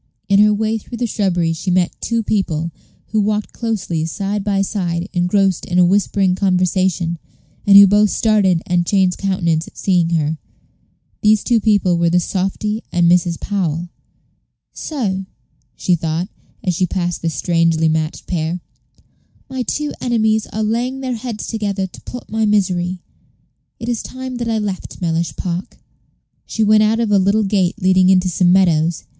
In her way through the shrubbery she met two people, who walked closely side by side, engrossed in a whispering conversation, and who both started and changed countenance at seeing her. These two people were the softy and Mrs. Powell. "So," she thought, as she passed this strangely matched pair, "my two enemies are laying their heads together to plot my misery. It is time that I left Mellish Park." She went out of a little gate leading into some meadows.